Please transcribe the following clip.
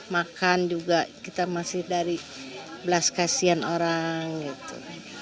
makan juga kita masih dari belas kasihan orang gitu